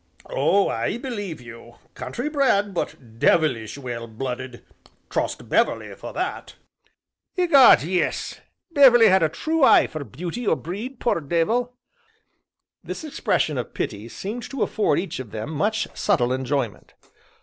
"Oh, I believe you! Country bred, but devilish well blooded trust Beverley for that." "Egad, yes Beverley had a true eye for beauty or breed, poor dey vil!" This expression of pity seemed to afford each of them much subtle enjoyment.